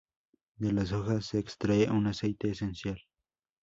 De las hojas se extrae un aceite esencial.